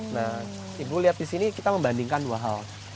nah ibu lihat disini kita membandingkan dua hal